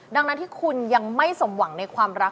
ดังนั้นที่คุณยังไม่สมหวังในความรัก